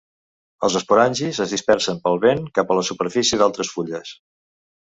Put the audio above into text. Els esporangis es dispersen pel vent cap a la superfície d'altres fulles.